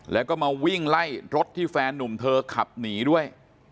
แล้วก็มาวิ่งไล่รถที่แฟนนุ่มเธอขับหนีด้วย